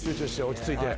落ち着いて。